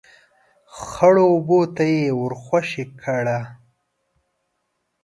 ، خړو اوبو ته يې ور خوشی کړه.